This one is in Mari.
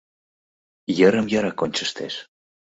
Йырым-йырак ончыштеш: